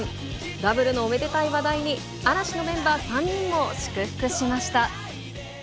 ダブルのおめでたい話題に、嵐のメンバー３人も祝福しました。